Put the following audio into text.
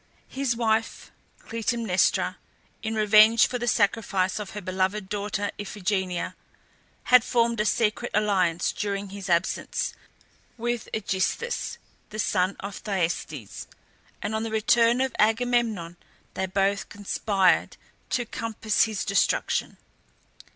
His wife Clytemnestra, in revenge for the sacrifice of her beloved daughter Iphigenia, had formed a secret alliance during his absence with AEgisthus, the son of Thyestes, and on the return of Agamemnon they both conspired to compass his destruction.